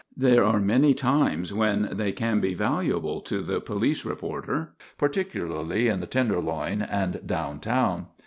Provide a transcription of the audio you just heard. There are many times when they can be valuable to the police reporter, particularly in the Tenderloin and down town.